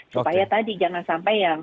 supaya tadi jangan sampai yang